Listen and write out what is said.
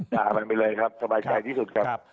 ด่ามันไปเลยครับสบายใจที่สุดครับ